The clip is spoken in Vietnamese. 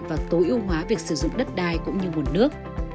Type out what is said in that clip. và tối ưu hóa việc sử dụng đất đai cũng như nguồn nước